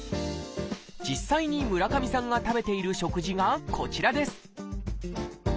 実際に村上さんが食べている食事がこちらです